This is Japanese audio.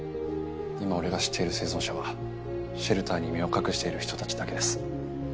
今俺が知っている生存者はシェルターに身を隠している人たちだけです。